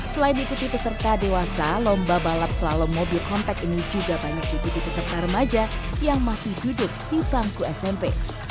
selain diikuti peserta dewasa lomba balap slalom mobil compact ini juga banyak diikuti peserta remaja yang masih duduk di bangku smp